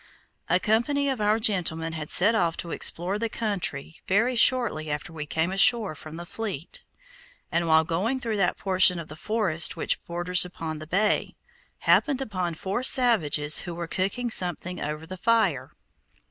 A company of our gentlemen had set off to explore the country very shortly after we came ashore from the fleet, and while going through that portion of the forest which borders upon the bay, happened upon four savages who were cooking something over the fire.